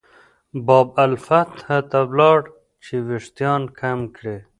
باب الفتح ته لاړل چې وېښتان کم کړي.